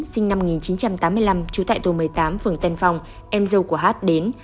sinh năm một nghìn chín trăm tám mươi năm trú tại tổ một mươi tám phường tân phong em dâu của hát đến